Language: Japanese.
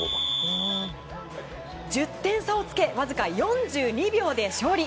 １０点差をつけわずか４２秒で勝利。